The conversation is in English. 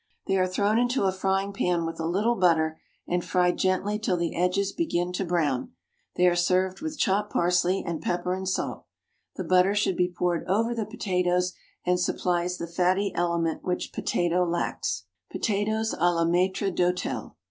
They are thrown into a frying pan with a little butter, and fried gently till the edges begin to brown; they are served with chopped parsley and pepper and salt. The butter should be poured over the potatoes, and supplies the fatty element which potato lacks. POTATOES A LA MAITRE D'HOTEL.